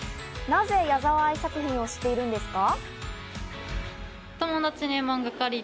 なぜ、矢沢あい作品を知っているんですか？